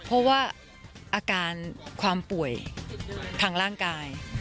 เพราะว่าอาการความป่วยทางร่างกาย